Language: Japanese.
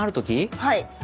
はい。